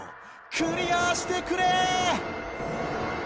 クリアしてくれ！